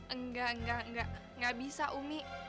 enggak enggak enggak gak bisa umi